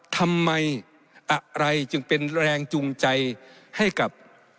ทำไมอะไรจึงเป็นแรงจูงใจให้กับ